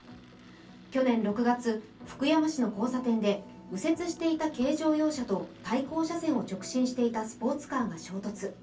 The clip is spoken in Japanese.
去年６月、福山市の交差点で右折していた軽乗用車と、対向車線を直進していたスポーツカーが衝突。